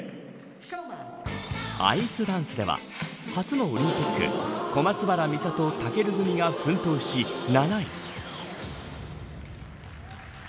アイスダンスでは初のオリンピック小松原美里・尊組が奮闘し７位。